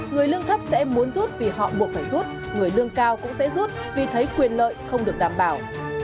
người lương thấp sẽ muốn rút vì họ buộc phải rút người lương cao cũng sẽ rút vì thấy quyền lợi không được đảm bảo